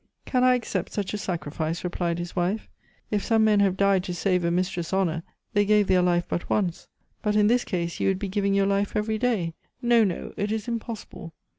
"Can I accept such a sacrifice?" replied his wife. "If some men have died to save a mistress' honor, they gave their life but once. But in this case you would be giving your life every day. No, no. It is impossible.